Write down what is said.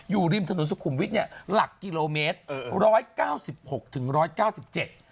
อยู่ริมถนนสุขุมวิทย์เนี้ยหลักกิโลเมตรเออร้อยเก้าสิบหกถึงร้อยเก้าสิบเจ็ด